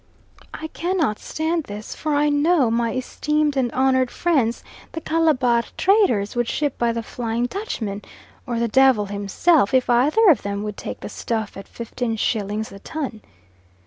I cannot stand this, for I know my esteemed and honoured friends the Calabar traders would ship by the Flying Dutchman or the Devil himself if either of them would take the stuff at 15 shillings the ton.